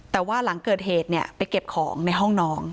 แต่ว่าหลังเกิดเหตุเนี่ยไปเก็บของในห้องน้อง